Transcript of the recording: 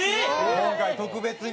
今回特別に。